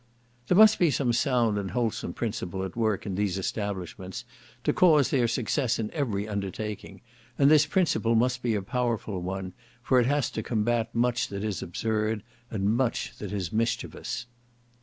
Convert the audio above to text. There must be some sound and wholesome principle at work in these establishments to cause their success in every undertaking, and this principle must be a powerful one, for it has to combat much that is absurd and much that is mischievous.